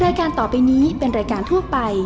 รายการต่อไปนี้เป็นรายการทั่วไป